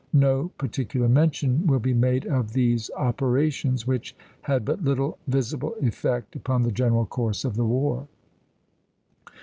No particular mention will be made of these operations, which had but little visible effect upon the general course of the war.